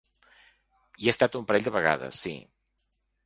Hi he estat un parell de vegades, sí.